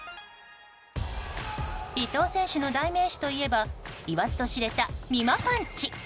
伊藤選手の代名詞といえばいわずと知れた、みまパンチ。